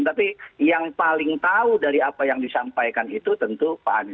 tapi yang paling tahu dari apa yang disampaikan itu tentu pak anies